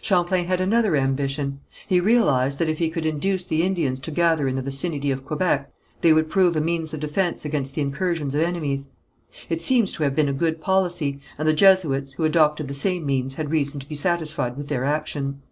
Champlain had another ambition. He realized that if he could induce the Indians to gather in the vicinity of Quebec, they would prove a means of defence against the incursions of enemies. It seems to have been a good policy, and the Jesuits who adopted the same means had reason to be satisfied with their action.